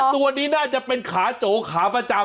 ตัวนี้น่าจะเป็นขาโจขาประจำ